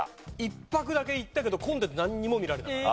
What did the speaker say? １泊だけ行ったけど混んでて何も見られなかった。